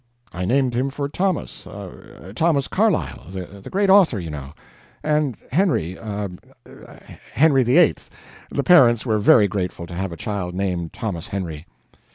I named him for Thomas er Thomas Carlyle, the great author, you know and Henry er er Henry the Eighth. The parents were very grateful to have a child named Thomas Henry."